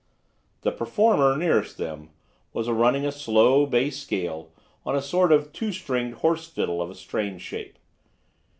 The Performer nearest them was running a slow bass scale on a sort of two stringed horse fiddle of a strange shape.